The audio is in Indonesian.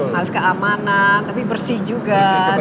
masalah keamanan tapi bersih juga